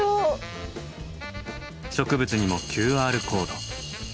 植物にもＱＲコード。